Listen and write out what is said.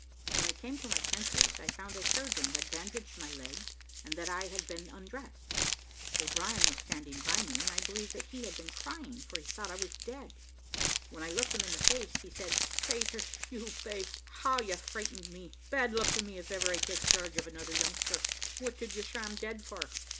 When I came to my senses, I found a surgeon had bandaged my leg, and that I had been undressed. O'Brien was standing by me, and I believe that he had been crying, for he thought that I was dead. When I looked him in the face, he said, "Pater, you baste, how you frightened me: bad luck to me if ever I take charge of another youngster. What did you sham dead for?"